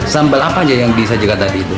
sambal apa aja yang bisa disajikan tadi